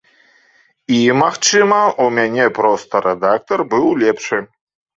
І, магчыма, у мяне проста рэдактар быў лепшы.